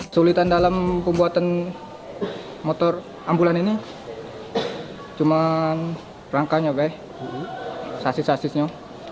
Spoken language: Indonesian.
sulitan dalam pembuatan motor ambulan ini cuma rangkanya pak sasis sasisnya